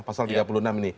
pasal tiga puluh enam ini